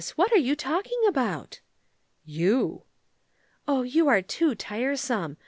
What are you talking about?" "You." "Oh, you are too tiresome.